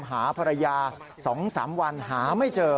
หาภรรยาสองสามวันหาไม่เจอ